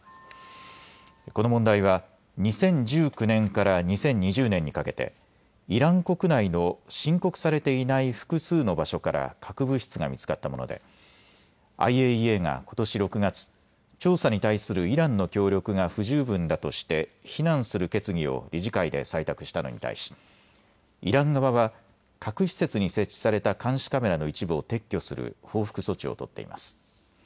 この問題は２０１９年から２０２０年にかけてイラン国内の申告されていない複数の場所から核物質が見つかったもので、ＩＡＥＡがことし６月、調査に対するイランの協力が不十分だとして非難する決議を理事会で採択したのに対しイラン側は核施設に設置された監視カメラの一部を撤去する報復措置を取っています。